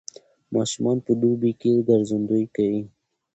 ماشومان په دوبي کې ګرځندويي کوي.